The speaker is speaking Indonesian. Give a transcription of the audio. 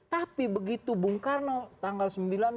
tapi begitu bung karno tanggal sembilan belas